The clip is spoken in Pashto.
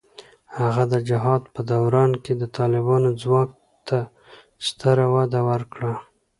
هغه د جهاد په دوران کې د طالبانو ځواک ته ستره وده ورکړه.